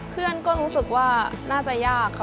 เพื่อนก็รู้สึกว่าน่าจะยากค่ะ